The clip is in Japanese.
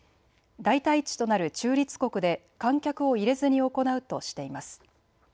代替地となる中立国で観客を入れずに行うとしています。